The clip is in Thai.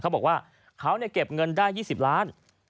เขาบอกว่าเขาเก็บเงินได้๒๐ล้าน